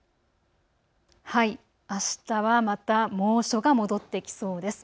あしたはまた猛暑が戻ってきそうです。